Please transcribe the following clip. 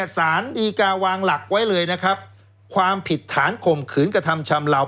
สารดีกาวางหลักไว้เลยนะครับความผิดฐานข่มขืนกระทำชำเหล่า